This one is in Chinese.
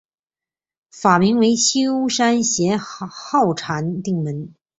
法名为休山贤好禅定门。